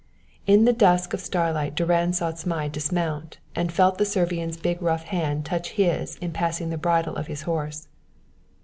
In the dusk of starlight Durand saw Zmai dismount and felt the Servian's big rough hand touch his in passing the bridle of his horse.